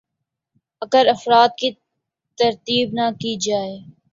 ا گر افراد کی تربیت نہ کی جائے